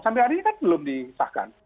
sampai hari ini kan belum disahkan